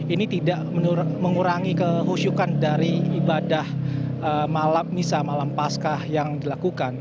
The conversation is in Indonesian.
ini tidak mengurangi kehusyukan dari ibadah misal malam pasca yang dilakukan